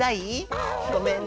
ごめんね。